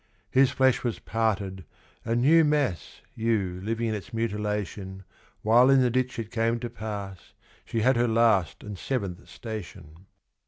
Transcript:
His flesh was parted, a new mass You living in its mutilation While in the ditch it came to pass She had her last and Seventh Station.